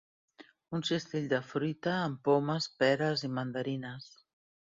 Un cistell de fruita, amb pomes, peres i mandarines.